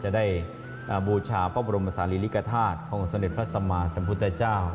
จะได้บูชาพระบรมศาลิริกษาธาตุของสำเร็จพระสัมมาสัมพุทธเจ้า